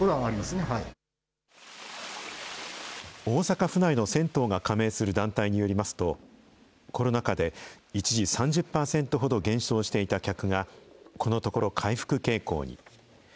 大阪府内の銭湯が加盟する団体によりますと、コロナ禍で一時３０％ほど減少していた客が、このところ回復傾向に。